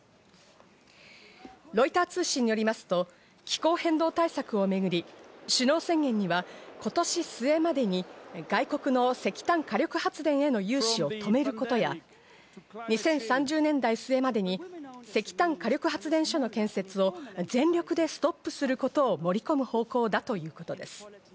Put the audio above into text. ロイター通信によりますと気候変動対策をめぐり首脳宣言には、今年末までに外国の石炭火力発電への融資を止めることや、２０３０年代末までに石炭火力発電所の建設を全力でストップすることを盛り込む方向だということです。